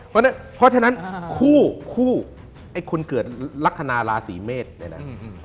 เพราะฉะนั้นคู่คู่ไอ้คนเกิดลักษณะราศีเมษเนี่ยนะ